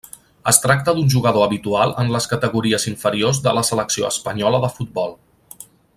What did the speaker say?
Es tracta d'un jugador habitual en les categories inferiors de la selecció espanyola de futbol.